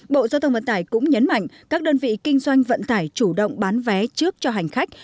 bộ giao thông vận tải cũng nhấn mạnh các đơn vị kinh doanh vận tải chủ động bán vé trước cho hành khách